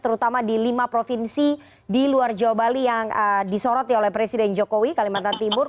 terutama di lima provinsi di luar jawa bali yang disoroti oleh presiden jokowi kalimantan timur